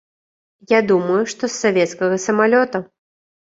Я думаю, што з савецкага самалёта.